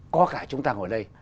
có cả chúng ta ngồi đây